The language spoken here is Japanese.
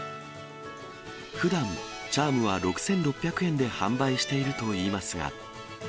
ふだん、チャームは６６００円で販売しているといいますが。